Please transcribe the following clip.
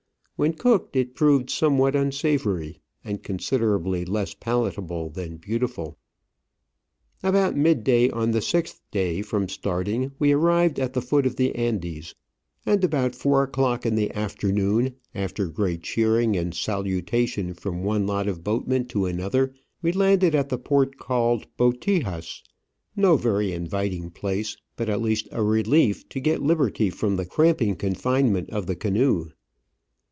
When cooked it proved somewhat unsavoury, and considerably less palatable than beau tiful. About mid day on the sixth day from starting we arrived at the foot of the Andes, and about four o'clock in the afternoon, after great cheering and salu tation from one lot of boatmen to another, we landed at the port called Botijas — no very inviting place, but at least a relief to get liberty from the cramping con finement of the canoe.